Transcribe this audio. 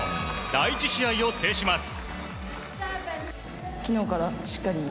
第１試合を制します。